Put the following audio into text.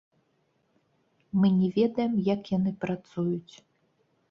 Мы не ведаем, як яны працуюць.